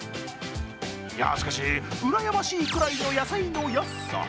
いやしかし、羨ましいくらいの野菜の安さ。